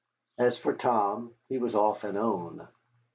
As for Tom, he was off and on.